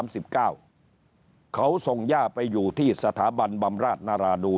เสร็จไปอยู่สถาบันบำราชนราดูน